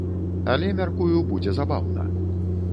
Але, мяркую, будзе забаўна.